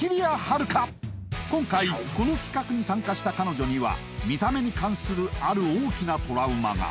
今回この企画に参加した彼女には見た目に関するある大きなトラウマが